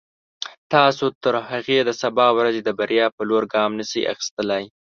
تاسو تر هغې د سبا ورځې د بریا په لور ګام نشئ اخیستلای.